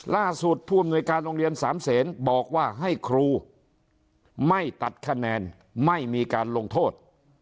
ล่าสุดภูมิในการโรงเรียนสามเสนบอกว่าให้ครูไม่ตัดคะแนนไม่มีการลงโทษ